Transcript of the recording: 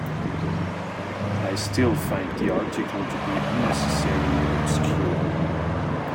I still find the article to be unnecessarily obscure.